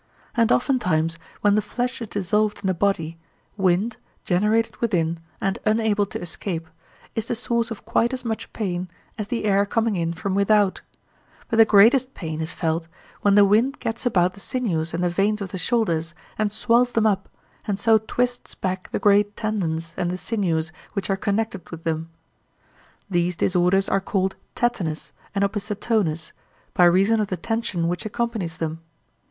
And oftentimes when the flesh is dissolved in the body, wind, generated within and unable to escape, is the source of quite as much pain as the air coming in from without; but the greatest pain is felt when the wind gets about the sinews and the veins of the shoulders, and swells them up, and so twists back the great tendons and the sinews which are connected with them. These disorders are called tetanus and opisthotonus, by reason of the tension which accompanies them.